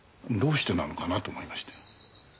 どうしてなのかなと思いまして。